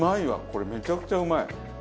これめちゃくちゃうまい。